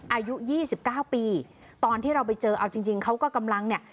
อายุ๒๙ปีตอนที่เราไปเจอเอาจริงเขาก็กำลังเนี่ย